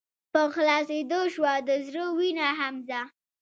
په خلاصيدو شــوه د زړه وينه حمزه